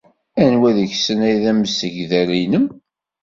Anwa deg-sen ay d amsegdal-nnem?